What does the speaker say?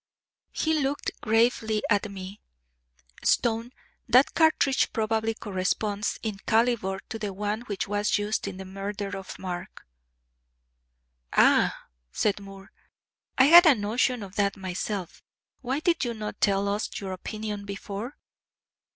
He looked gravely at me. "Stone, that cartridge probably corresponds in calibre to the one which was used in the murder of Mark." "Ah!" said Moore. "I had a notion of that myself. Why did you not tell us your opinion before?"